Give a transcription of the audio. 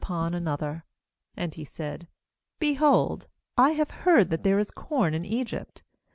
upon another?' 2And he said: 'Be hold, I have heard that there is corn in Egypt.